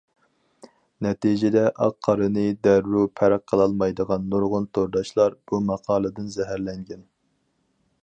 نەتىجىدە ئاق قارىنى دەررۇ پەرق قىلالمايدىغان نۇرغۇن تورداشلار بۇ ماقالىدىن زەھەرلەنگەن.